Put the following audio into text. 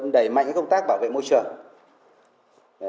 đẩy mạnh công tác bảo vệ môi trường